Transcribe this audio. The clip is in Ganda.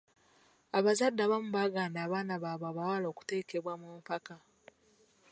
Abazadde abamu bagaana abaana baabwe abawala okwetaba mu mpaka.